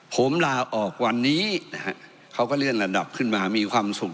ผมลาออกวันนี้